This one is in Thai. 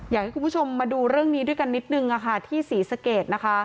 อยากให้คุณผู้ชมมาดูเรื่องนี้ด้วยกันนิดนึงที่ศรีสะเกดนะคะ